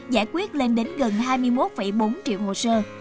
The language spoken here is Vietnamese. giải quyết lên đến gần hai mươi một bốn triệu hồ sơ